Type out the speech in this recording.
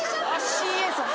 ＣＡさん。